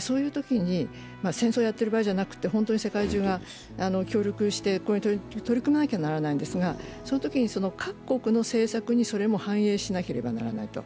そういうときに戦争をやってる場合じゃなくて、本当に世界中が協力して、これに取り組まなければならないんですがそのときに各国の政策にそれも反映しなければならないと。